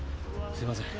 すいません。